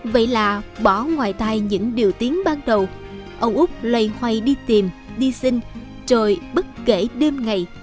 vậy là bỏ ngoài tay những điều tiến ban đầu ông úc lây hoay đi tìm đi sinh trời bất kể đêm ngày